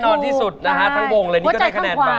นานที่สุดนะฮะทั้งวงเลยนี่ก็ได้คะแนนมา